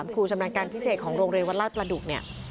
ครูชำนาญการพิเศษของโรงเรียนวัดราชประดุกเนี่ย